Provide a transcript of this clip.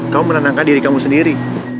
kau menenangkan diri kamu sendiri